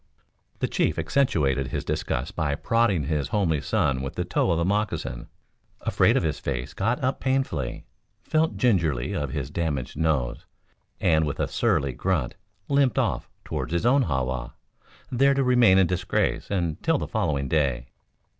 The chief accentuated his disgust by prodding his homely son with the toe of a moccasin. Afraid Of his Face got up painfully, felt gingerly of his damaged nose, and with a surly grunt limped off toward his own ha wa, there to remain in disgrace until the following day.